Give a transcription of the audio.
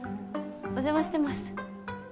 お邪魔してます